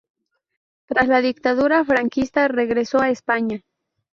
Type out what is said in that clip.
Tras la dictadura franquista regresó a España.